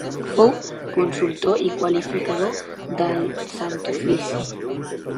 Fou consultor i qualificador del Sant Ofici.